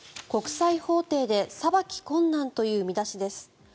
国際法廷で裁き困難という見出しです。